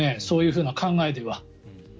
そういうふうな考えでは。